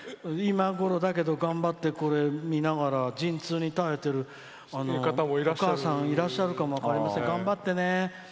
今頃、だけど頑張ってこれを見ながら陣痛に耐えてるお母さんいらっしゃるかも分かりません、頑張ってね！